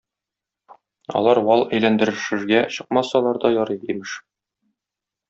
Алар вал әйләндерешергә чыкмасалар да ярый, имеш.